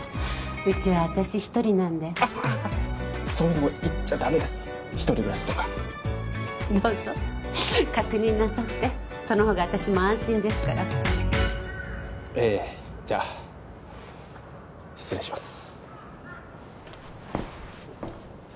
うちは私一人なんでああっそういうのも言っちゃダメです１人暮らしとかどうぞ確認なさってその方が私も安心ですからええじゃあ失礼します